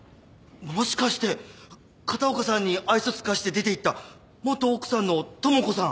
もしかして片岡さんに愛想尽かして出ていった元奥さんの智子さん？